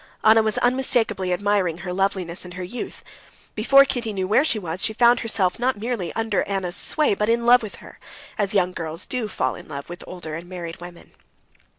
Anna was unmistakably admiring her loveliness and her youth: before Kitty knew where she was she found herself not merely under Anna's sway, but in love with her, as young girls do fall in love with older and married women.